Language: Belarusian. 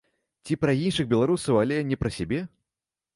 Ці пра іншых беларусаў, але не пра сябе?